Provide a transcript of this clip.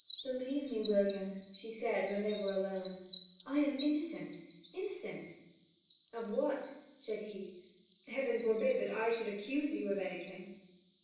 'Believe me, William,' she said when they were alone, 'I am innocent innocent!' 'Of what?' said he. 'Heaven forbid that I should accuse you of anything!'